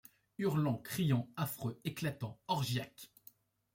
Hurlant, criant, affreux, éclatants, orgiaques